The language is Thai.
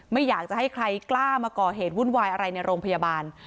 ไม่อยากจะให้ใครกล้ามาก่อเหตุวุ่นวายอะไรในโรงพยาบาล